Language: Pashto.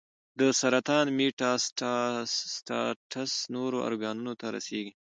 د سرطان میټاسټاسس نورو ارګانونو ته رسېږي.